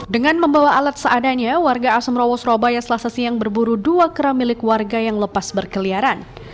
dengan membawa alat seadanya warga asamrowo surabaya selasa siang berburu dua kera milik warga yang lepas berkeliaran